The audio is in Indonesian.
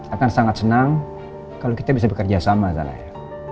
akan sangat senang kalau kita bisa bekerjasama zanaya